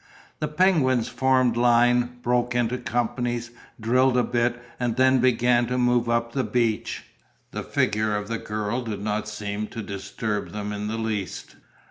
The penguins formed line, broke into companies, drilled a bit and then began to move up the beach. The figure of the girl did not seem to disturb them in the least.